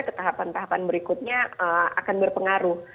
ke tahapan tahapan berikutnya akan berpengaruh